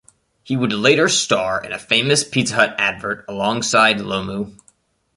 He would later star in a famous Pizza Hut advert alongside Lomu.